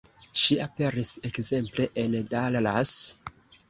Ŝi aperis ekzemple en Dallas.